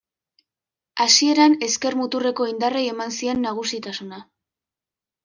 Hasieran ezker muturreko indarrei eman zien nagusitasuna.